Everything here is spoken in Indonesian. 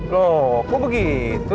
loh kok begitu